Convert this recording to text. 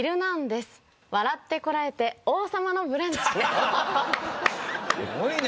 すごいね。